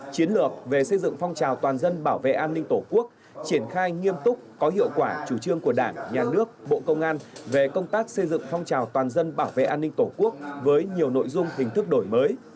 chiến lược về xây dựng phong trào toàn dân bảo vệ an ninh tổ quốc triển khai nghiêm túc có hiệu quả chủ trương của đảng nhà nước bộ công an về công tác xây dựng phong trào toàn dân bảo vệ an ninh tổ quốc với nhiều nội dung hình thức đổi mới